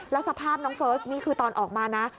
แล้วสภาพน้องเฟิร์สนี่คือตอนออกมานะ